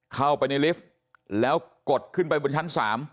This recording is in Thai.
เข้าไปในลิฟต์แล้วกดขึ้นไปบนชั้น๓